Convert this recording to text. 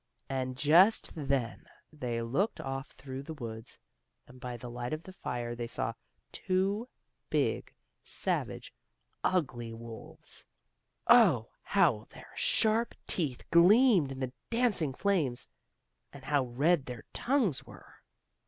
And just then they looked off through the woods, and by the light of the fire they saw two big, savage, ugly wolves. Oh, how their sharp teeth gleamed in the dancing flames, and how red their tongues were!